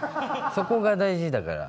そこが大事だから。